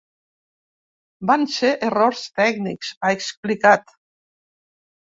“Van ser errors tècnics”, ha explicat.